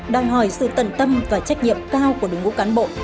đòi hỏi sự tận tâm và trách nhiệm cao của đồng ngũ cán bộ